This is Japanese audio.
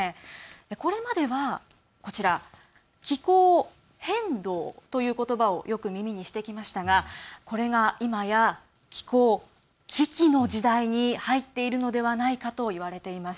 これまでは、気候変動ということばをよく耳にしてきましたがこれがいまや、気候危機の時代に入っているのではないかといわれています。